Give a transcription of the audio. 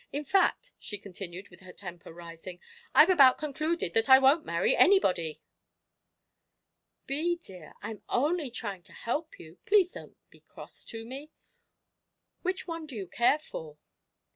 In fact," she continued, with her temper rising, "I've about concluded that I won't marry anybody!" "Bee, dear, I'm only trying to help you please don't be cross to me. Which one do you care for?"